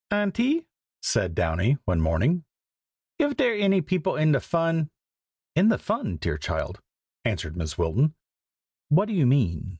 "AUNTIE," said Downy, one morning, "I'v dere any people in de fun?" "In the fun, dear child?" answered Mrs. Wilton. "What do you mean?